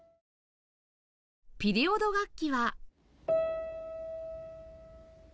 ピリオド楽器は